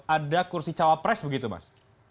ada kursi cawapres begitu mas